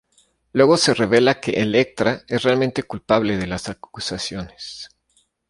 Luego se revela que Elektra es realmente culpable de las acusaciones.